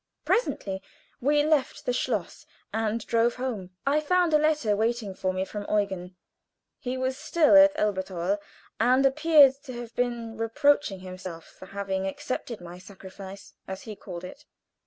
Presently we left the schloss and drove home. I found a letter waiting for me from Eugen. He was still at Elberthal, and appeared to have been reproaching himself for having accepted my "sacrifice," as he called it.